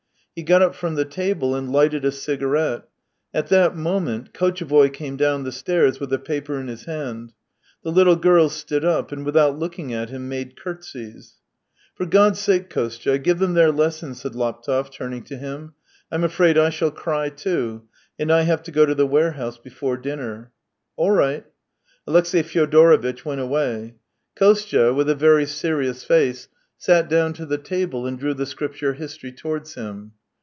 He got up from the table and lighted a cigarette. At that moment Kotchevoy came down the stairs with a paper in his hand. The little girls stood up, and without looking at him, made curtsies. " For God's sake, Kostya, give them their lessons," said. Laptev, turning to him. "I'm afraid I shall cry, too, and I have to go to the warehouse before dinner." " All right." Alexey Fyodorovitch went away. Kostya, with THREE YEARS 247 a very serious face, sat down to the table and drew the Scripture history towards him.